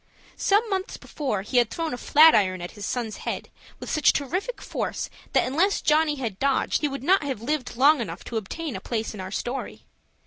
Some months before, he had thrown a flat iron at his son's head with such terrific force that unless Johnny had dodged he would not have lived long enough to obtain a place in our story.